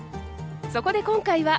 そこで今回は。